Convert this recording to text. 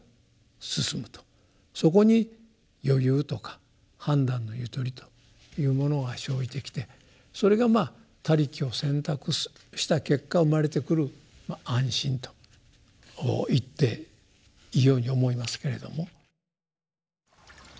そこに余裕とか判断のゆとりというものが生じてきてそれがまあ「他力」を選択した結果生まれてくる安心と言っていいように思いますけれども。